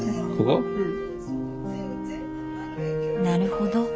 なるほど。